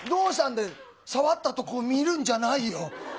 触ったとこ見るんじゃないよ。